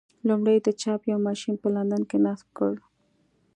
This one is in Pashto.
لومړی د چاپ یو ماشین په لندن کې نصب کړل.